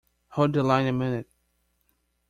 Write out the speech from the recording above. Hold the line a minute.